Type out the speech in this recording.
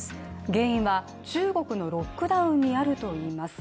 原因は中国のロックダウンにあるといいます。